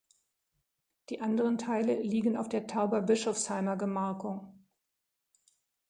Die anderen Teile liegen auf der Tauberbischofsheimer Gemarkung.